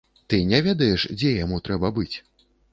Ты не ведаеш, дзе яму трэба быць?